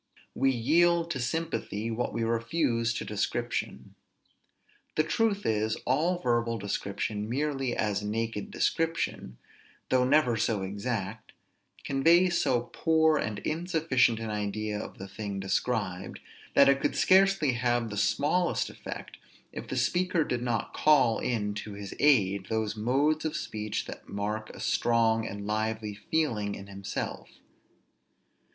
We yield to sympathy what we refuse to description. The truth is, all verbal description, merely as naked description, though never so exact, conveys so poor and insufficient an idea of the thing described, that it could scarcely have the smallest effect, if the speaker did not call in to his aid those modes of speech that mark a strong and lively feeling in himself.